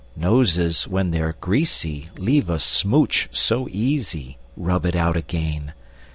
Noses, when they're greasy, Leave a smooch so easy! Rub it out again!